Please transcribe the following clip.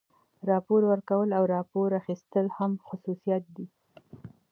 راپور ورکول او راپور اخیستل هم خصوصیات دي.